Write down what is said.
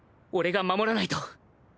俺が守らないと